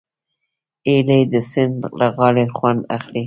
هیلۍ د سیند له غاړې خوند اخلي